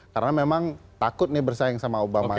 sepuluh karena memang takut bersaing sama obama